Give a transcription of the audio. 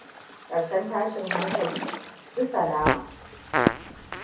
Karshen tashin hankali; bi salama.